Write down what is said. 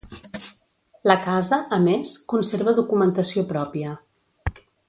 La casa, a més, conserva documentació pròpia.